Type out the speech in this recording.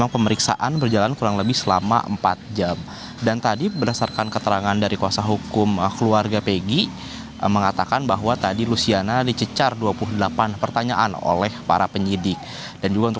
pemeriksaan hasil adik peggy setiawan